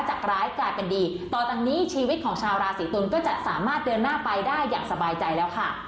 จากร้ายกลายเป็นดีต่อจากนี้ชีวิตของชาวราศีตุลก็จะสามารถเดินหน้าไปได้อย่างสบายใจแล้วค่ะ